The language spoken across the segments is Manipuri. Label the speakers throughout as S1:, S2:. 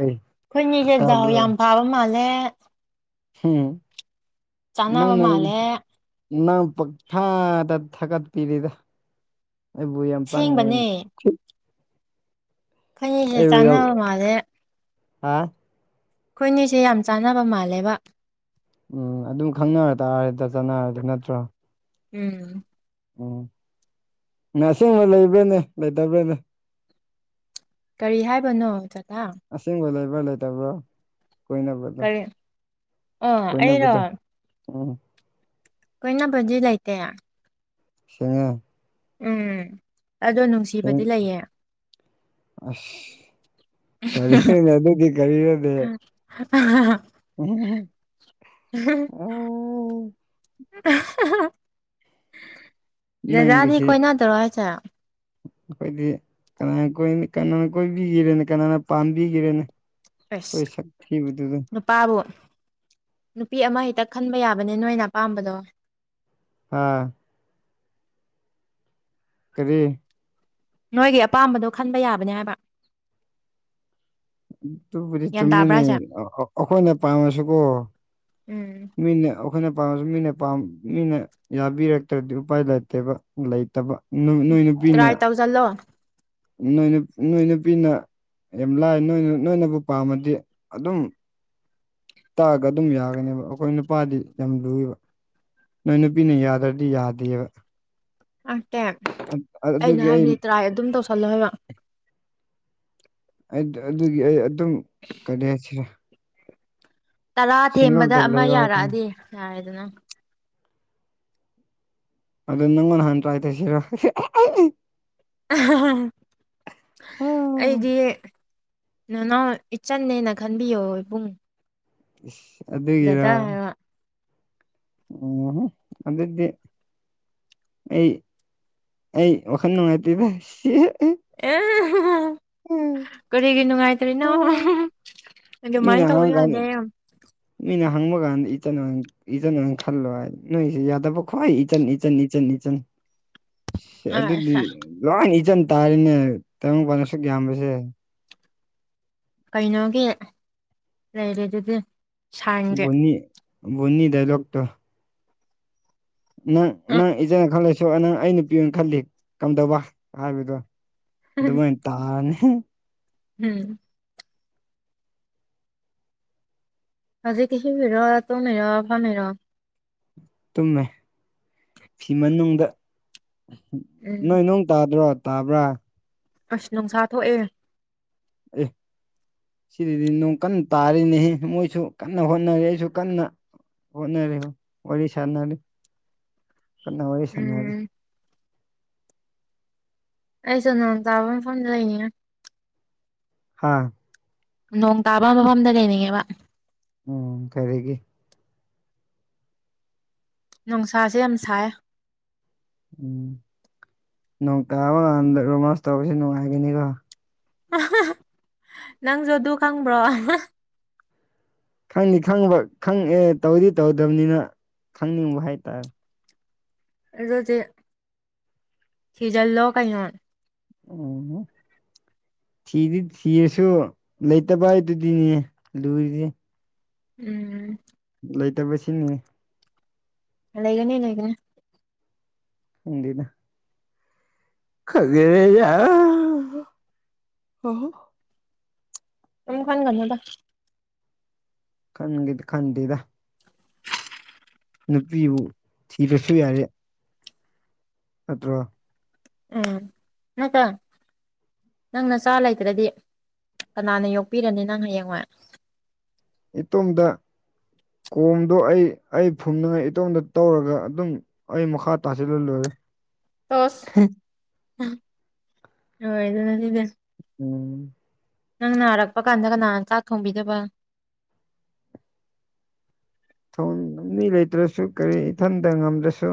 S1: ꯎꯝ
S2: ꯑꯩꯈꯣꯏꯅꯤꯁꯦ ꯗꯥꯎ ꯌꯥꯝ ꯐꯥꯕ ꯃꯥꯜꯂꯦ
S1: ꯎꯝ ꯅꯪ
S2: ꯆꯥꯟꯅꯕ
S1: ꯅꯪ
S2: ꯃꯥꯜꯂꯦ
S1: ꯅꯪ ꯄꯛ ꯐꯥꯗ ꯊꯀꯠ ꯄꯤꯔꯤꯗ ꯑꯩꯕꯨ ꯌꯥꯝ
S2: ꯁꯦꯡꯕꯅꯦ
S1: ꯄꯪꯉꯦ
S2: ꯐꯩꯁꯦ
S1: ꯌꯥꯝ
S2: ꯆꯥꯟꯅꯕ ꯃꯥꯜꯂꯦ
S1: ꯍꯥ
S2: ꯑꯩꯈꯣꯏꯅꯤꯁꯦ ꯌꯥꯝ ꯆꯥꯟꯅꯕ ꯃꯥꯜꯂꯦꯕ
S1: ꯎꯝ ꯑꯗꯨꯝ ꯈꯪꯅꯔ ꯇꯥꯔꯦꯗ ꯆꯠꯅꯔꯗꯤ ꯅꯠꯇ꯭ꯔꯣ
S2: ꯎꯝ
S1: ꯎꯝꯁꯦꯡꯕ ꯂꯩꯕ꯭ꯔꯅꯦ ꯂꯩꯇꯕ꯭ꯔꯅꯦ
S2: ꯀꯔꯤ ꯍꯥꯏꯕꯅꯣ ꯆꯥꯇꯥ
S1: ꯑꯁꯦꯡꯕ ꯂꯩꯕ꯭ꯔꯥ ꯂꯩꯇꯕ꯭ꯔꯣ ꯀꯣꯏꯅꯕꯗ
S2: ꯀꯔꯤ ꯑꯣ ꯑꯩꯔꯣ
S1: ꯀꯣꯏꯅꯕꯗ ꯎꯝ
S2: ꯀꯣꯏꯅꯕꯗꯤ ꯂꯩꯇꯦ
S1: ꯁꯉ
S2: ꯎꯝ ꯑꯗꯣ
S1: ꯁꯦꯡ
S2: ꯅꯨꯡꯁꯤꯕꯗꯤ ꯂꯩꯌꯦ
S1: ꯑꯁ ꯀꯔꯤꯅꯦ ꯑꯗꯨꯗꯤ ꯀꯔꯤꯔꯗꯤ
S2: [unintelligible]
S1: ꯎ
S2: ꯎꯝ ꯖꯗꯤ
S1: ꯅꯪꯒꯤꯁꯦ
S2: ꯀꯣꯏꯅ ꯇꯧꯔ ꯍꯥꯏꯁꯦ
S1: ꯑꯩꯈꯣꯏꯗꯤ ꯀꯅꯥꯅ ꯀꯅꯥꯅ ꯀꯣꯏꯕꯤꯒꯤꯔꯦꯅꯦ ꯀꯅꯥꯅ ꯄꯥꯝꯕꯤꯒꯤꯔꯦꯅꯦ
S2: ꯐꯁ ꯅꯨꯄꯥꯕꯨ ꯅꯨꯄꯤ ꯑꯃ ꯍꯦꯛꯇ ꯈꯟꯕ ꯌꯥꯕꯅꯦ ꯅꯣꯏꯅ ꯑꯄꯥꯝꯕꯗꯣ
S1: ꯑꯥ ꯀꯔꯤ
S2: ꯅꯣꯏꯒꯤ ꯑꯄꯥꯝꯕꯗꯣ ꯈꯟꯕ ꯌꯥꯕꯅꯦ ꯍꯥꯏꯕ
S1: ꯑꯗꯨꯨꯕꯨꯗꯤ
S2: ꯒ꯭ꯌꯥꯟ ꯇꯥꯕ꯭ꯔꯥ
S1: ꯆꯨꯝꯃꯤꯅꯤ
S2: ꯍꯥꯏꯁꯦ
S1: ꯑꯩꯈꯣꯏꯅ ꯄꯥꯝꯃꯁꯤꯀꯣ
S2: ꯎꯝ
S1: ꯃꯤ ꯑꯣ ꯑꯩꯈꯣꯏꯅ ꯄꯥꯝꯝꯕꯁꯨ ꯃꯤꯅ ꯄꯥꯝ ꯃꯤꯅ ꯌꯥꯕꯤꯔꯛꯇ꯭ꯔꯗꯤ ꯎꯄꯥꯏ ꯂꯩꯇꯦꯕ ꯂꯩꯇꯕ ꯅꯣꯏ
S2: ꯇ꯭ꯔꯥꯏ ꯇꯧꯖꯜꯂꯣ
S1: ꯅꯣꯏꯅ ꯅꯣꯏ ꯅꯨꯄꯤꯅ ꯌꯥꯝ ꯂꯥꯏ ꯅꯣꯏꯅ ꯅꯣꯏꯅꯕꯨ ꯄꯥꯝꯃꯗꯤ ꯑꯗꯨꯝ ꯇꯛꯑꯒ ꯑꯗꯨꯝ ꯌꯥꯒꯅꯦꯕ ꯑꯩꯈꯣꯏ ꯅꯨꯄꯥꯗꯤ ꯌꯥꯝ ꯂꯨꯏꯕ ꯅꯣꯏ ꯅꯨꯄꯤꯅ ꯌꯥꯗ꯭ꯔꯗꯤ ꯌꯥꯗꯦꯕ
S2: ꯉꯇꯦ
S1: ꯑ- ꯑ-
S2: ꯑꯩꯅ
S1: ꯑꯗꯨꯒꯤ ꯑꯩ
S2: ꯍꯥꯏꯕꯅꯤ ꯇ꯭ꯔꯥꯏ ꯑꯗꯨꯝ ꯇꯧꯁꯜꯂꯣ ꯍꯥꯏꯕ
S1: ꯑꯗꯨꯒꯤ ꯑꯩ ꯑꯗꯨꯝ ꯀꯔꯤ ꯍꯥꯏꯁꯤꯔꯦ
S2: ꯇꯔꯥ ꯊꯦꯡꯕꯗ ꯑꯃ
S1: ꯂꯩꯕ ꯍꯥꯏꯇꯥꯔꯦ
S2: ꯌꯥꯔꯛꯑꯗꯤ ꯌꯥꯔꯦꯗꯅ
S1: ꯑꯗꯨ ꯅꯪꯉꯣꯟ ꯅꯍꯥꯟ ꯇ꯭ꯔꯥꯏ ꯇꯧꯁꯤꯔꯣ ꯎꯝ
S2: ꯑꯩꯗꯤ ꯅ ꯅꯎ ꯏꯆꯟꯅꯦꯅ ꯈꯟꯕꯤꯌꯣ ꯏꯕꯨꯡ ꯗꯗꯥ
S1: ꯑꯗꯨꯒꯤꯔ
S2: ꯍꯥꯏꯕ
S1: ꯎꯗꯗꯦ ꯑꯩ ꯑꯩ ꯑꯣꯈꯥꯟ ꯅꯨꯡꯉꯥꯏꯇꯗ ꯁꯤ
S2: ꯑꯦ ꯀꯔꯤꯒꯤ ꯅꯨꯡꯉꯥꯏꯇꯔꯤꯅꯣ
S1: ꯃꯤꯅ ꯍꯥꯡꯒꯥꯟ ꯃꯤꯅ ꯍꯪꯃꯒ ꯏꯇꯅ ꯏꯆꯟ ꯈꯜꯂꯣ ꯍꯥꯏ ꯅ ꯌꯥꯗꯕ ꯈꯣ ꯏꯆꯟ ꯏꯆꯟ ꯏꯆꯟ ꯏꯆ
S2: ꯑ
S1: ꯑꯗꯨꯗꯤ ꯂꯣꯏ ꯏꯆꯟ ꯇꯥꯔꯤꯅꯦ ꯇꯥꯏꯪꯄꯥ ꯁꯨꯛ ꯌꯥꯝꯕꯁꯦ
S2: ꯀꯩꯅꯣꯒꯤ ꯂꯩꯔꯦ ꯑꯗꯨꯗꯤ
S1: ꯅꯤ ꯅꯤ ꯗ ꯂꯇꯣ ꯅꯪ ꯅꯪ ꯏꯆꯅ ꯈꯜꯂꯁꯨ ꯅꯪ ꯑꯩ ꯅꯨꯄꯤ ꯑꯣꯏꯅ ꯈꯜꯂꯤ ꯀꯝꯗꯧꯕ ꯍꯥꯏꯕꯗꯣ ꯑꯗꯨꯃ ꯇꯅꯦ
S2: ꯎꯝ ꯍꯧꯖꯤꯦ ꯀꯁꯤ ꯐꯔꯣ ꯇꯣ ꯃꯦꯔꯣꯐ ꯃꯦꯔꯣ
S1: ꯇꯨꯝꯃꯦ ꯐꯤ ꯃꯅꯨꯡꯗ
S2: ꯎꯝ
S1: ꯅꯣꯏ ꯅꯅꯨꯡ ꯇꯥꯗ꯭ꯔꯣ ꯇꯥꯕ꯭ꯔ
S2: ꯑꯁ ꯅꯨꯡꯁꯥ ꯊꯣꯛꯑꯦ
S1: ꯑꯦ ꯁꯤꯗꯗꯤ ꯅꯣꯡ ꯀꯟꯅ ꯇꯥꯔꯤꯅꯤ ꯃꯣꯏꯁꯨ ꯀꯟꯅ ꯍꯣꯠꯅꯔꯤ ꯑꯩꯁꯨ ꯀꯟꯅ ꯍꯅꯔꯦ ꯋꯥꯔꯤꯔꯁꯥꯟꯅꯔꯦ ꯀꯅꯥ ꯋꯥꯔꯤꯔ ꯁꯅꯦ
S2: ꯎꯝ ꯑꯩ ꯁꯅ ꯇꯕ ꯐꯣꯟꯅ ꯂꯩꯅꯤ
S1: ꯍꯥꯥ
S2: ꯅꯣꯡ ꯇꯥꯕ ꯃꯐꯝꯗ ꯂꯩꯅꯤꯡꯉꯦꯕ
S1: ꯎꯝ ꯀꯔꯤꯒꯤ
S2: ꯅꯨꯡꯁꯥꯁꯦ ꯌꯥꯝ ꯁꯥꯏ
S1: ꯎꯝ ꯅꯣꯡ ꯇꯥꯕ ꯔꯣꯃꯥꯟꯁ ꯇꯧꯕꯁ ꯅꯨꯡꯉꯥꯏꯒꯅꯤꯀꯣ
S2: ꯅꯪꯁꯨ ꯑꯗꯨ ꯈꯪꯕ꯭ꯔꯣ
S1: ꯈꯪꯅꯤ ꯈꯪꯕ ꯈꯪ ꯑꯦ ꯇꯧꯗꯤ ꯇꯧꯗꯕꯅꯤꯅ ꯈꯪꯅꯤꯡꯕ ꯍꯥꯏꯇꯥꯔꯦ
S2: ꯑꯗꯨꯣꯗꯤ ꯍꯤꯖꯜ ꯂ ꯀꯥꯏꯉꯣꯟ
S1: ꯎꯝ
S2: [inaudible]
S1: ꯊꯤꯗꯤ ꯊꯤꯔꯁꯨ ꯂꯩꯇꯕ ꯍꯥꯏꯗꯨꯗꯤꯅꯦ ꯂꯨꯔꯤꯗꯤ
S2: ꯎꯝ
S1: ꯂꯩꯇꯕ ꯁꯤꯅꯤ
S2: ꯂꯩꯒꯅꯤ ꯏ ꯂꯩꯒꯅꯦ
S1: ꯈꯩꯗꯦꯗ [unintelligible]
S2: ꯎ ꯈꯅꯤ ꯈꯅꯣꯗ
S1: ꯈꯟꯒꯗ ꯈꯟꯗꯗ ꯅꯨꯄꯤꯕꯨ ꯊꯤꯕꯁꯨ ꯌꯥꯔꯦ ꯅꯠꯇ꯭ꯔꯣ
S2: ꯎꯝ ꯏꯀ [inaudible] ꯅꯪ ꯅ ꯆꯥ ꯂꯩꯇ꯭ꯔꯗꯤ ꯀꯅꯥꯅ ꯌꯣꯛꯄꯤꯔꯅꯤ ꯅꯪ ꯍꯌꯦꯡ ꯍꯣꯏ
S1: ꯏꯇꯣꯝꯗ ꯀꯣꯝꯗꯣ ꯑꯩ ꯑꯩ ꯐꯨꯝꯅꯤꯡꯉꯥꯏ ꯏꯇꯣꯝꯗ ꯇꯧꯔꯒ ꯑꯗꯨꯝ ꯑꯣ ꯃ ꯃꯈꯥ ꯇꯥꯁꯤ ꯂꯣꯏ ꯂꯣ
S2: ꯑꯁ ꯂꯣꯢꯔꯦꯗꯅ ꯁꯤꯗꯤ
S1: ꯎꯝ
S2: ꯅꯪ ꯅꯥꯔꯛꯄ ꯀꯥꯟꯗ ꯀꯅꯥꯅ ꯆꯥꯛ ꯊꯣꯡꯕꯤꯗꯕ
S1: ꯊꯣꯡ ꯃꯤ ꯂꯩꯇ꯭ꯔꯁꯨ ꯀꯔꯤ ꯏꯊꯟꯇ ꯉꯝꯗ꯭ꯔꯁꯨ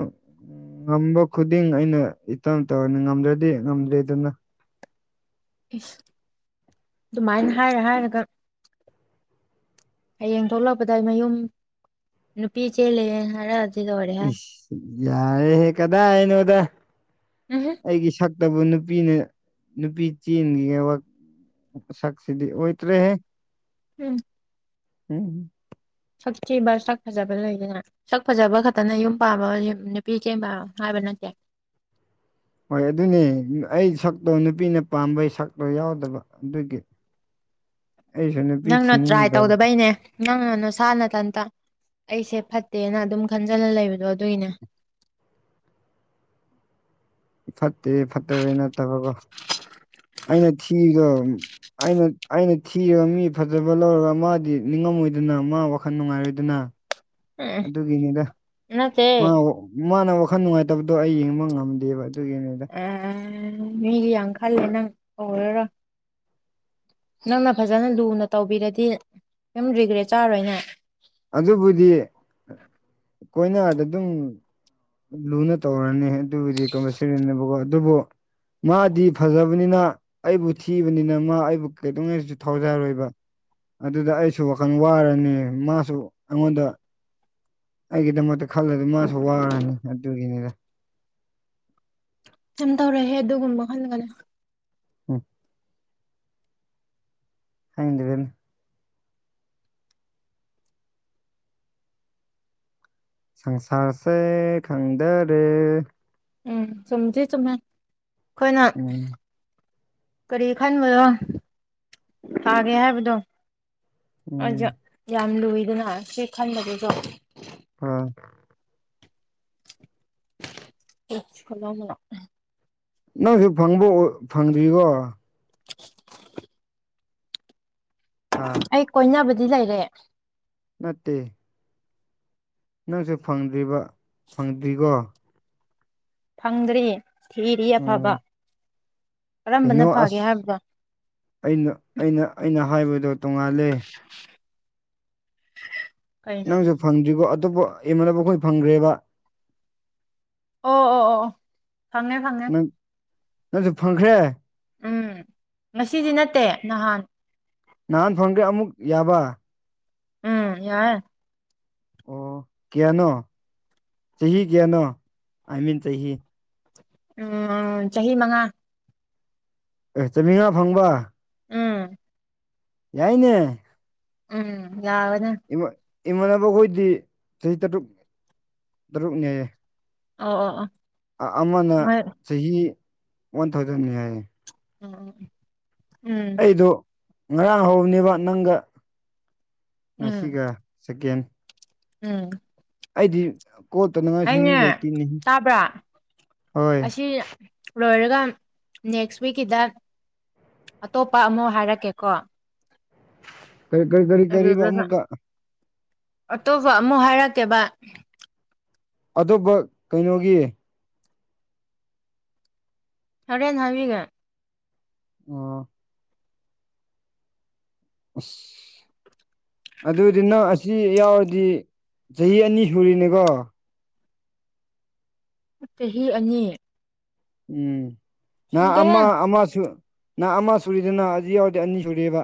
S1: ꯉꯝꯕ ꯈꯨꯗꯤꯡ ꯑꯩꯅ ꯏꯇꯝ ꯇꯧꯔꯅꯤ ꯉꯝꯗ꯭ꯔꯗꯤ ꯉꯝꯗ꯭ꯔꯦ ꯑꯗꯨꯅ
S2: ꯏꯁ ꯑꯗꯨꯃꯥꯏꯅ ꯍꯥꯏꯔ ꯍꯥꯏꯔꯒ ꯍꯌꯦꯡ ꯊꯣꯛꯂꯛꯄꯗ ꯑꯩ ꯃꯌꯨꯝ ꯅꯨꯄꯤ ꯆꯦꯜꯂꯦ ꯍꯥꯏꯔꯛꯑ
S1: ꯏ ꯌꯥꯔꯦ ꯍꯦ ꯀꯗꯥ ꯍꯥꯏꯅꯗ
S2: ꯎꯝꯨꯝ [inaudible]
S1: ꯑꯩꯒꯤ ꯁꯛꯇꯕꯨ ꯅꯨꯄꯤꯅ ꯅꯨꯄꯤ ꯆꯦꯟꯒꯤ ꯁꯛꯁꯤꯗꯤ ꯍꯣꯏꯇꯔꯤ
S2: ꯎꯝ
S1: ꯎꯝ
S2: ꯁꯛꯊꯤ ꯆꯥꯛ ꯐꯖꯕ ꯂꯩꯗꯅ ꯁꯛ ꯐꯖꯕ ꯈꯛꯇꯅ ꯌꯨꯝ ꯄꯥꯕ ꯅꯨꯄꯤ ꯆꯦꯟ ꯄ ꯍꯥꯏꯕ ꯅꯠꯇꯦ
S1: ꯍꯣꯏ ꯑꯗꯨꯅꯦ ꯑꯩ ꯁꯛꯇꯣ ꯅꯨꯄꯤꯅ ꯄꯥꯝꯕꯩ ꯁꯛꯇꯣ ꯌꯥꯎꯗꯕ ꯑꯗꯨꯒꯤ ꯑꯩꯁꯨ ꯅꯨꯄꯤ
S2: ꯅꯪꯅ ꯇ꯭ꯔꯥꯏ
S1: ꯊꯤꯅꯤꯡꯗꯕ
S2: ꯇꯧꯗꯕꯩꯅꯦ ꯅꯪꯅ ꯅꯁꯥꯅ ꯇꯟꯇ ꯑꯩꯁꯦ ꯐꯠꯇꯦꯅ ꯑꯗꯨꯝ ꯈꯟꯖꯜꯂ ꯂꯩꯕꯗꯣ ꯑꯗꯨꯒꯤꯅꯦ
S1: ꯐꯠꯇꯦ ꯐꯠꯇꯦꯕ ꯅꯠꯇꯕꯀꯣ ꯑꯩꯅ ꯊꯤꯗ ꯑꯩꯅ ꯑꯩꯅ ꯊꯤꯔꯒ ꯃꯤ ꯐꯖꯕ ꯂꯧꯔꯒ ꯃꯥꯗꯤ ꯅꯤꯡꯉꯝꯃꯣꯏꯗꯅ ꯃꯥ ꯋꯥꯈꯜ ꯅꯨꯡꯉꯥꯏꯔꯣꯏꯗꯅ
S2: ꯎꯝ
S1: ꯑꯗꯨꯒꯤꯅꯤꯗ
S2: ꯅꯠꯇꯦ
S1: ꯃꯥ ꯃꯥꯅ ꯋꯥꯈꯜ ꯅꯨꯡꯉꯥꯏꯇꯕꯗꯣ ꯑꯩ ꯌꯦꯡꯕ ꯉꯝꯗꯦꯕ ꯑꯗꯨꯒꯤꯅꯦꯗ
S2: ꯑꯦ ꯃꯤꯒꯤ ꯌꯥꯝ ꯈꯔ ꯂꯩꯅꯔ ꯅꯪꯅ ꯐꯖꯅ ꯂꯨꯅ ꯇꯧꯕꯤꯔꯗꯤ ꯁꯝ ꯔꯤꯒ꯭ꯔꯦꯠ ꯆꯥꯔꯣꯏꯅꯦ
S1: ꯑꯗꯨꯕꯨꯗꯤ ꯑꯩꯈꯣꯏꯅꯗ ꯑꯗꯨꯝ ꯂꯨꯅ ꯇꯧꯔꯅꯤ ꯑꯗꯨꯕꯨꯗꯤ ꯀꯝꯄꯜꯁꯔꯤꯅꯦꯕꯀꯣ ꯑꯗꯨꯕꯨ ꯃꯥꯗꯤ ꯐꯖꯕꯅꯤꯅ ꯑꯩꯕꯨ ꯊꯤꯕꯅꯤꯅ ꯃꯥ ꯑꯩꯕꯨ ꯀꯩꯗꯧꯉꯩꯁꯨ ꯊꯥꯎꯖꯔꯣꯏꯕ ꯑꯗꯨꯗ ꯑꯩꯁꯨ ꯋꯥꯈꯜ ꯋꯥꯔꯅꯤ ꯃꯥꯁꯨ ꯑꯩꯉꯣꯟꯗ ꯑꯩꯒꯤꯗꯃꯛꯇ ꯈꯜꯂꯗꯤ ꯃꯥꯁꯨ ꯋꯥꯔꯅꯤ ꯑꯗꯨꯒꯤꯅꯤꯗ
S2: ꯀꯩꯝ ꯇꯧꯔꯛꯍꯦ ꯑꯗꯨꯒꯨꯝꯕ ꯈꯜꯒꯅ
S1: ꯎꯝ [inaudible] [inaudible] ꯁꯪꯁꯥꯁꯦ ꯈꯪꯗꯔꯦ
S2: ꯎꯝ ꯆꯨꯝꯗꯤ ꯆꯨꯝꯃꯦ ꯑꯩꯈꯣꯏꯅ
S1: ꯎꯝ
S2: ꯀꯔꯤ ꯈꯟꯕꯅꯣ ꯊꯥꯒꯦ
S1: ꯎꯝ
S2: ꯍꯥꯏꯕꯗꯣꯖ ꯌꯥꯝ ꯂꯨꯏꯗꯅ ꯁꯤ ꯈꯟꯕꯗꯁꯨ
S1: ꯑ [inaudible]
S2: ꯂꯂ [inaudible]
S1: ꯅꯪꯁꯨ ꯐꯪꯕ ꯐꯪꯗ꯭ꯔꯤꯔꯤꯕꯣ ꯍꯥ
S2: ꯑꯩ ꯀꯣꯏꯅꯕꯗꯤ ꯂꯩꯔꯦ
S1: ꯅꯠꯇꯦ ꯅꯪꯁꯨ ꯐꯪꯗ꯭ꯔꯤꯕ ꯐꯪꯗ꯭ꯔꯤꯒꯣ
S2: ꯐꯪꯗ꯭ꯔꯤ ꯊꯤꯔꯤ ꯑꯐꯕ
S1: ꯎꯝ
S2: ꯀꯔꯝꯕꯅ
S1: ꯀꯩꯅꯣ
S2: ꯐꯒꯦ
S1: ꯑꯁ
S2: ꯍꯥꯏꯕꯗꯣ
S1: ꯑꯩꯅ ꯑꯩꯅ ꯑꯩꯅ ꯍꯥꯏꯕꯗꯣ ꯇꯣꯡꯉꯥꯜꯂꯦ
S2: ꯀꯩꯅꯣ
S1: ꯅꯪꯁꯨ ꯐꯪꯗ꯭ꯔꯤꯀꯣ ꯑꯇꯣꯞꯄ ꯏꯃꯥꯟꯅꯕ ꯈꯣꯏ ꯐꯪꯈ꯭ꯔꯦꯕ
S2: ꯑꯣ ꯑꯣ ꯑꯣ ꯐꯪꯉꯦ ꯐꯪꯉꯦ
S1: ꯅꯪ ꯅꯪꯁꯨ ꯐꯪꯈ꯭ꯔꯦ
S2: ꯎꯝ ꯉꯁꯤꯗꯤ ꯅꯠꯇꯦ ꯅꯍꯥꯟ
S1: ꯅꯍꯥꯟ ꯐꯪꯈꯔ‌ꯦ ꯑꯃꯨꯛ ꯌꯥꯕ
S2: ꯎꯝ ꯌꯥꯏ
S1: ꯑꯣ ꯀꯌꯥꯅꯣ ꯆꯍꯤ ꯀꯌꯥꯅꯣ ꯑꯥꯏ ꯃꯤꯟ ꯆꯍꯤ
S2: ꯎꯝ ꯆꯍꯤ ꯃꯉꯥ
S1: ꯑꯦ ꯆꯥꯃꯤꯉꯥ ꯐꯪꯕ
S2: ꯎꯝ
S1: ꯌꯥꯏꯅꯦ
S2: ꯎꯝ ꯌꯥꯕꯅ‌ꯦ
S1: ꯏꯃꯥꯟ ꯏꯃꯥꯟꯅꯕꯈꯣꯏꯗꯤ ꯆꯍꯤ ꯇꯔꯨꯛ ꯇꯔꯨꯛꯅꯦꯌꯦ
S2: ꯑꯣ ꯑꯣ ꯑꯣ
S1: ꯑꯥ ꯑꯃꯅ
S2: ꯃꯣꯏ
S1: ꯆꯍꯤ ꯋꯥꯟ ꯊꯥꯎꯖꯟꯅ‌ꯦ ꯍꯥꯏꯌꯦ
S2: ꯑꯣ ꯑꯣ ꯎꯝ
S1: ꯑꯩꯗ‌ꯣ ꯉꯔꯥꯡ ꯍꯧꯕꯅꯦꯕ ꯅꯪꯒ
S2: ꯎꯝ
S1: ꯉꯁꯤꯒ ꯁꯦꯀꯦꯟ
S2: ꯎꯝ
S1: ꯑꯩꯗꯤ ꯀꯣꯜ ꯇꯧꯅꯤꯉꯥꯏ
S2: ꯑꯩꯅꯦ ꯇꯕ꯭ꯔꯥ
S1: ꯍꯣꯏ
S2: ꯑꯁꯤ ꯂꯣꯏꯔꯒ ꯅꯦꯛꯁ ꯋꯤꯛꯀꯤꯗ ꯑꯇꯣꯞꯄ ꯑꯃ ꯍꯥꯏꯔꯛꯀꯦꯀꯣ
S1: ꯀꯔꯤ ꯀꯔꯤ ꯀꯔꯤ ꯀꯔꯤꯕ
S2: ꯑꯗꯨꯗꯨꯒ
S1: ꯑꯃꯨꯛꯀ
S2: ꯑꯇꯣꯞꯄ ꯑꯃꯨꯛ ꯍꯥꯏꯔꯛꯀꯦꯕ
S1: ꯑꯇꯣꯞꯄ ꯀꯩꯅꯣꯒꯤ
S2: ꯍ‌ꯣꯔꯦꯟ ꯍꯥꯏꯕꯤꯒ‌ꯦ
S1: ꯑꯣ ꯑꯁ ꯑꯗꯨꯗꯤ ꯅꯪ ꯑꯁꯤ ꯌꯥꯎꯔꯗꯤ ꯆꯍꯤ ꯑꯅꯤ ꯁꯨꯔꯤꯅꯦꯀꯣ
S2: ꯆꯍꯤ ꯑꯅꯤ
S1: ꯎꯝ ꯅꯪ
S2: ꯁꯨꯗꯦꯍꯦ
S1: ꯑꯃ ꯑꯃ ꯁꯨ ꯅꯪ ꯑꯃ ꯁꯨꯔꯤꯗꯨꯅ ꯍꯧꯖꯤꯛ ꯌꯥꯎꯔꯗꯤ ꯑꯅꯤ ꯁꯨꯔ‌ꯦꯕ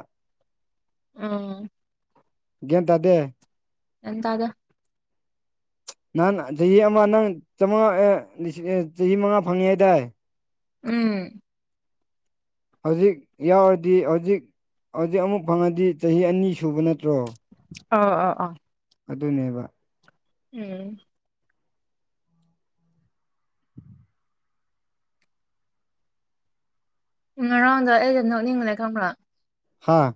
S2: ꯑꯥ
S1: ꯒꯌꯥꯟ ꯇꯥꯗꯦ
S2: ꯒꯌꯥꯟ ꯇꯥꯗꯦ
S1: ꯅꯪ ꯆꯍꯤ ꯑꯃ ꯅꯪ ꯆꯃꯥꯉꯥ ꯑꯦ ꯂꯤꯁꯤꯡ ꯆꯍꯤ ꯃꯉꯥ ꯐꯪꯉꯦ ꯍꯥꯏꯗꯥꯏ
S2: ꯎꯝ
S1: ꯍꯧꯖꯤꯛ ꯌꯥꯎꯔꯗꯤ ꯍꯧꯖꯤꯛ ꯍꯧꯖꯤꯛ ꯑꯃꯨꯛ ꯐꯪꯉꯗꯤ ꯆꯍꯤ ꯑꯅꯤ ꯁꯨꯕ ꯅꯠꯇ꯭ꯔꯣ
S2: ꯑꯣ ꯑꯣ ꯑꯣ
S1: ꯑꯗꯨꯅꯦꯕ
S2: ꯎꯝ ꯉꯔꯥꯡꯗꯣ ꯑꯩꯗꯤ ꯅꯣꯛꯅꯤꯡꯕꯅ‌ꯦ ꯈꯪꯕ꯭ꯔꯥ
S1: ꯍꯥꯥ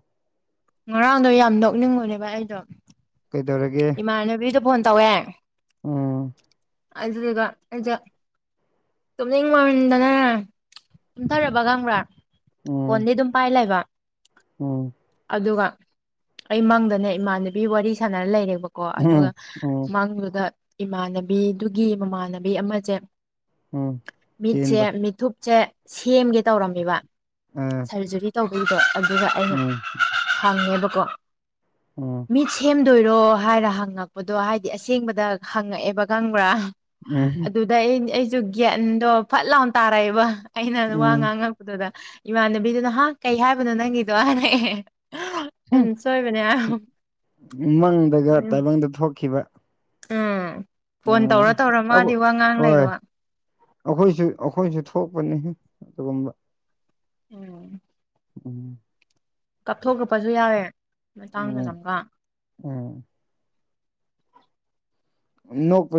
S2: ꯉꯔꯥꯡꯗꯣ ꯌꯥꯝ ꯅꯣꯛꯅꯤꯡꯕꯅꯦꯕ ꯑꯩꯗꯣ
S1: ꯀꯩꯗꯧꯔꯒꯦ
S2: ꯏꯃꯥꯟꯅꯕꯤꯗ‌ꯣ ꯐꯣꯟ ꯇꯧꯋꯦ
S1: ꯎꯝ
S2: ꯑꯗꯨꯗꯒ ꯑꯗꯨꯖ ꯇꯨꯝꯅꯤꯡ ꯃꯃꯟꯗꯅ ꯀꯨꯝꯊꯔꯕ ꯈꯪꯕ꯭ꯔꯥ ꯐꯣꯟꯗꯤ ꯑꯗꯨꯝ ꯄꯥꯏ ꯂꯩꯕ
S1: ꯑꯣꯝ
S2: ꯑꯗꯨꯒ ꯑꯩ ꯃꯪꯗꯅꯦ ꯏꯃꯥꯟꯅꯕꯤ ꯋꯥꯔꯤ ꯁꯥꯟꯅꯔ ꯂꯩꯔꯦꯕꯀꯣ ꯀꯣ ꯑꯗꯨꯒ
S1: ꯎꯝ ꯎꯝ
S2: ꯃꯥꯡꯗꯨꯗ ꯏꯃꯥꯟꯅꯕꯤꯗꯨꯒꯤ ꯃꯃꯥꯟꯅꯕꯤ ꯑꯃꯁꯦ
S1: ꯎꯝ
S2: ꯃꯤꯠꯁꯦ
S1: ꯆꯦꯟꯕ
S2: ꯃꯤꯠꯊꯨꯞꯁꯦ ꯁꯦꯝꯒꯦ ꯇꯧꯔꯝꯃꯦꯕ
S1: ꯑ
S2: ꯁꯔꯖꯔꯤ ꯇꯧꯕꯒꯤꯗꯣ ꯑꯗꯨ ꯑꯗꯨꯗ ꯑꯩꯅ
S1: ꯎꯝ
S2: ꯍꯪꯉꯦꯕꯀꯣ
S1: ꯎꯝ
S2: ꯃꯤꯠ ꯁꯦꯝꯗꯣꯏꯔꯣ ꯍꯥꯏꯔ ꯍꯪꯉꯛꯄꯗꯣ ꯍꯥꯏꯗꯤ ꯑꯁꯦꯡꯕꯗ ꯍꯪꯉꯛꯑꯦꯕ ꯈꯪꯕ꯭ꯔꯥ
S1: ꯎꯝ
S2: ꯑꯗ ꯑꯩ ꯑꯩꯁꯨ ꯒꯠꯗꯣ ꯐꯠ ꯂꯥꯎꯅ ꯇꯥꯔꯛꯑꯦꯕ ꯑꯩꯅ ꯋꯥ
S1: ꯎꯝ
S2: ꯉꯥꯡꯉꯛꯄꯗꯨꯗ ꯏꯃꯥꯟꯅꯕꯤꯗꯨ ꯅꯍꯥꯛ ꯀꯩ ꯍꯥꯏꯕꯅꯣ ꯅꯪꯒꯤꯗꯣꯅ ꯑꯦ ꯁꯣꯣꯏꯕꯅꯦ ꯑ
S1: ꯗ ꯊꯣꯛꯈꯤꯕ
S2: ꯎꯝ ꯐꯣꯟ
S1: ꯎꯝ
S2: ꯇꯧꯔ ꯇꯧꯔ
S1: ꯑꯧ
S2: ꯃꯥꯗꯤ ꯋꯥ ꯉꯥꯡ
S1: ꯍꯣꯏ
S2: ꯂꯩꯔꯕ
S1: ꯑꯩꯈꯣꯏꯁꯨ ꯑꯩꯈꯣꯏꯁꯨ ꯊꯣꯛꯄꯅꯤ ꯑꯗꯨꯒꯨꯝꯕ
S2: ꯑꯣꯝ
S1: ꯎꯝ
S2: ꯀꯥꯞꯊꯣꯛ ꯀꯛꯄꯁꯨ ꯌꯥꯎꯋꯦ ꯃꯇꯥꯡ ꯃꯇꯝ ꯆꯒ
S1: ꯑꯣ ꯣꯛ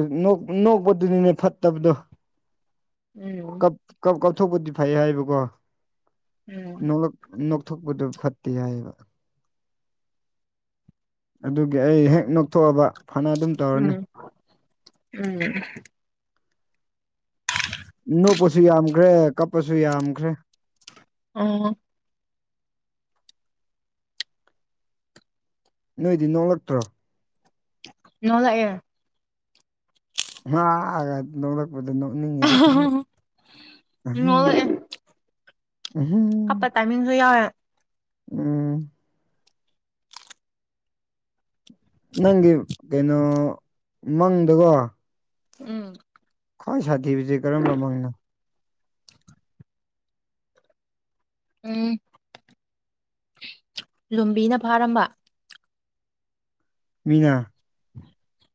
S1: ꯅꯣꯛꯄꯗꯨꯅꯤꯅꯦ ꯐꯠꯇꯕꯗꯣ
S2: ꯎꯝ
S1: ꯀꯥꯎꯊꯣꯛꯄꯗꯤ ꯐꯩ ꯍꯥꯏꯕꯀꯣ
S2: ꯎꯝ
S1: ꯅ ꯅꯣꯛꯊꯣꯛꯄꯗꯨ ꯐꯠꯇꯦ ꯍꯥꯏꯑꯕ ꯑꯗꯨꯒꯤ ꯑꯩ ꯍꯦꯛ ꯅꯣꯛꯊꯣꯛꯑꯕ ꯐꯅ ꯑꯗꯨꯝ ꯇꯧꯔꯅꯤ
S2: ꯎꯝ ꯎꯝ [inaudible]
S1: ꯅꯣꯞꯄꯁꯨ ꯌꯥꯝꯈ꯭ꯔꯦ ꯀꯞꯄꯁꯨ ꯌꯥꯝꯈ꯭ꯔꯦ
S2: ꯑꯣ
S1: ꯅꯣꯏꯗꯤ ꯅꯣꯂꯛꯇ꯭ꯔꯣ
S2: ꯅ ꯂꯥꯛꯑꯦ
S1: ꯑ ꯅꯄꯗ ꯎꯝ
S2: ꯅꯣꯛꯂꯛꯑꯦ
S1: ꯎꯝ
S2: ꯃꯤꯁꯨ ꯌꯥꯏ
S1: ꯎꯝ ꯅꯪꯒꯤ ꯀꯩꯅꯣ ꯃꯪꯗꯀꯣ
S2: ꯎꯝ
S1: ꯈ꯭ꯋꯥꯏ ꯁꯥꯊꯤꯕꯁꯦ ꯀꯔꯝꯕ ꯃꯡꯅꯣ
S2: ꯎꯝ ꯂꯨꯝꯕꯤꯅ ꯐꯥꯔꯝꯕ
S1: ꯃꯤꯉꯥ
S2: [inaudible]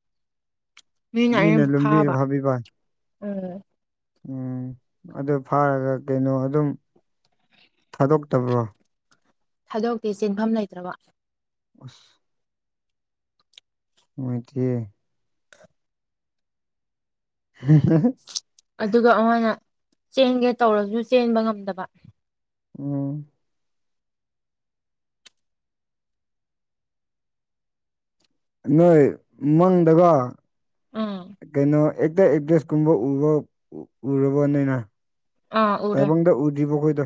S2: ꯃꯤ ꯉꯥꯏ
S1: ꯃꯤꯅ
S2: ꯑꯔꯦꯝꯕꯨ
S1: ꯂꯨꯝꯕꯤ
S2: ꯈꯥꯕ
S1: ꯐꯥꯕꯤꯕ
S2: ꯎ
S1: ꯎꯝ ꯑꯗꯨ ꯐꯥꯔꯒ ꯀꯩꯅꯣ ꯑꯗꯨꯝ ꯊꯥꯗꯣꯛꯇꯕ꯭ꯔꯣ
S2: ꯊꯥꯗꯣꯛꯇꯤ ꯆꯦꯟꯐꯝ ꯂꯩꯇ꯭ꯔꯕ
S1: ꯑꯁ ꯃꯣꯏꯗꯤꯦ ꯇꯔ ꯍꯦ
S2: ꯑꯗꯨꯒ ꯑꯃꯅ ꯆꯦꯟꯒꯦ ꯇꯧꯔꯁꯨ ꯆꯦꯟꯕ ꯉꯝꯗꯕ
S1: ꯎꯝ ꯅꯣꯏ ꯃꯪꯗꯒ
S2: ꯑ
S1: ꯀꯩꯅꯣ ꯑꯦꯛꯇ ꯑꯦꯛ ꯗꯦꯁ ꯀꯨꯝꯕ ꯎꯕ ꯎꯔꯕꯣꯅꯤꯅ
S2: ꯑꯥ ꯎꯔꯦ
S1: ꯇꯥꯏꯕꯗ ꯎꯗꯕ ꯀꯣꯏꯗꯣ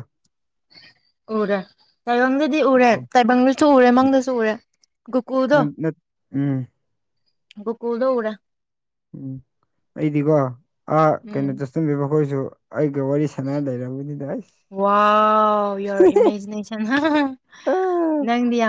S2: ꯎꯔꯦ ꯇꯥꯏꯕꯪꯗꯗꯤ ꯎꯔꯦ
S1: ꯎꯝ
S2: ꯇꯥꯏꯕꯪꯗꯁꯨ ꯎꯔꯦ ꯃꯪꯗꯁꯨ ꯎꯔꯦ ꯨꯀꯨꯗꯣ ꯒꯀꯨꯗꯣ ꯎꯔ
S1: ꯎꯝ ꯑꯩꯗꯤꯀꯣ ꯑꯥ
S2: ꯎꯝ
S1: ꯀꯩꯅꯣ ꯆꯠꯆꯟꯕꯤ ꯃꯈꯣꯏꯁꯨ ꯑꯩꯒ ꯋꯥꯔꯤ ꯁꯅꯥ ꯂꯩꯔꯕꯅꯤꯗ ꯑꯩꯁ
S2: ꯋꯥ ꯌꯔ ꯏꯃꯦꯖꯤꯅꯦꯁꯟ ꯅꯪ